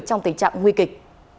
trong tình trạng nguy kịch